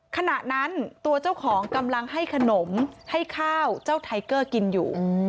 ขณะนั้นตัวเจ้าของกำลังให้ขนมให้ข้าวเจ้าไทเกอร์กินอยู่